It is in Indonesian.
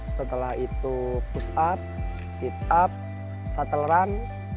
setelah itu push up sit up shuttle run